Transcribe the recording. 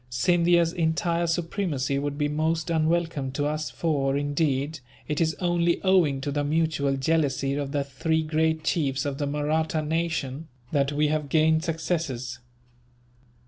Scindia's entire supremacy would be most unwelcome to us for, indeed, it is only owing to the mutual jealousy of the three great chiefs of the Mahratta nation, that we have gained successes.